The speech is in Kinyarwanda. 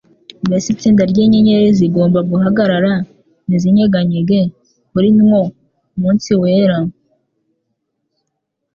Mbese itsinda ry'inyenyeri zigomba guhagarara ntizinyeganyege kuri nwo munsi wera?